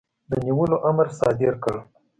د نیولو امر صادر کړ.